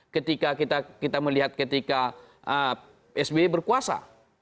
ketika kita melihat ketika sby berkuasa